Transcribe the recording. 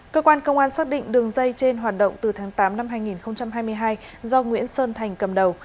cơ quan công an xác định đường dây trên hoạt động từ tháng tám năm hai nghìn hai mươi hai do nguyễn sơn thành cầm đầu